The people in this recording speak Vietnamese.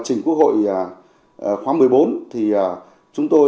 trình quốc hội khóa một mươi bốn thì chúng tôi